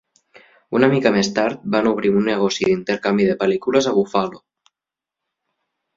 Una mica més tard, van obrir un negoci d'intercanvi de pel·lícules a Buffalo.